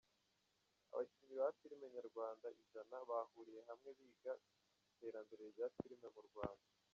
Abakinnyi ba filime nyarwanda ijana bahuriye hamwe biga iterambere rya filime mu Rwanda